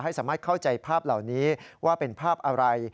สามารถเข้าใจภาพเหล่านี้ว่าเป็นภาพอะไร